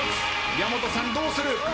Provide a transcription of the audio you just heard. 矢本さんどうする？